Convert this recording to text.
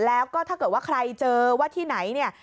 แล้วก็ถ้าเกิดว่าใครเจอว่าที่ไหนเนี่ย